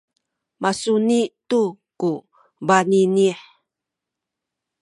masuni tu ku baninih